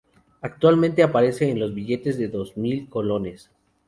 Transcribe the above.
Actualmente, aparece en los billetes de dos mil colones.